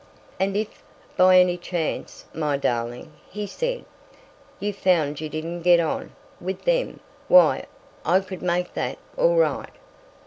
"And if, by any chance, my darling," he said, "you found you didn't get on—with them, why, I could make that all right.